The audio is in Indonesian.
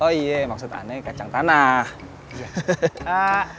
oh iya maksud aneh kacang tanah